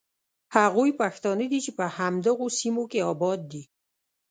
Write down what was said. هغوی پښتانه دي چې په همدغو سیمو کې آباد دي.